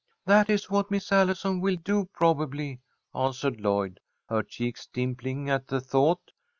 "That is what Miss Allison will do, probably," answered Lloyd, her cheeks dimpling at the thought.